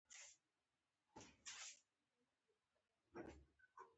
دوه تر درې ساعته